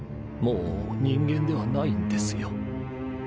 もう人間ではないんですよ。